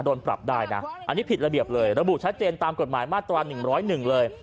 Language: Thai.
โดนปรับได้นะอันนี้ผิดระเบียบเลยระบุชัดเจนตามกฎหมายมาตรา๑๐๑เลย